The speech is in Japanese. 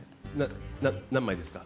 何枚ですか？